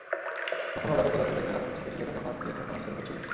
তখনো ওরা গতরাতে দেখা ছাদে ঝুলে থাকা ফাঁদ নিয়ে ঠাট্টা-মশকরা করছিল।